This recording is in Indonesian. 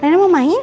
rina mau main